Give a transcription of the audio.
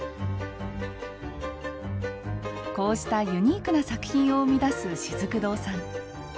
こうしたユニークな作品を生み出すしずく堂さん。